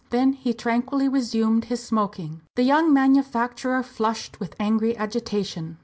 Then he tranquilly resumed his smoking. The young manufacturer flushed with angry agitation.